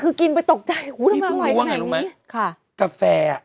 คือกินไปตกใจหู้จะมาอร่อยกันไหน